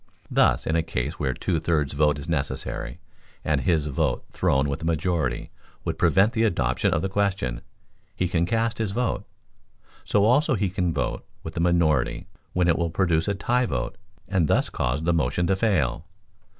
Thus in a case where two thirds vote is necessary, and his vote thrown with the minority would prevent the adoption of the question, he can cast his vote; so also he can vote with the minority when it will produce a tie vote and thus cause the motion to fail.